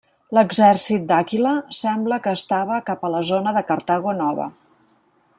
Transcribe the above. L'exèrcit d'Àquila sembla que estava cap a la zona de Cartago Nova.